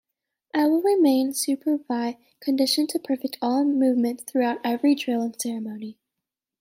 I will remain superbly conditioned to perfect all movements throughout every drill and ceremony.